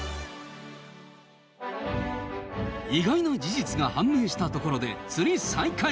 意外な事実が判明したところで釣り再開！